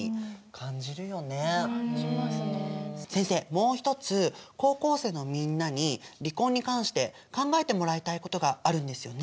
もう一つ高校生のみんなに離婚に関して考えてもらいたいことがあるんですよね？